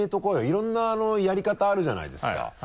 いろんなやり方あるじゃないですか。